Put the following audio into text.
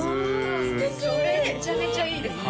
素敵めちゃめちゃいいですね